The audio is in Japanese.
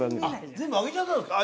全部上げちゃったんですか？